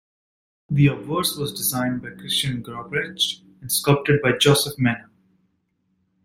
The obverse was designed by Christian Gobrecht and sculpted by Joseph Menna.